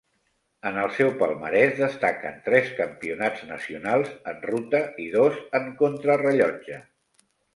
En el seu palmarès destaquen tres Campionats nacionals en ruta i dos en contrarellotge.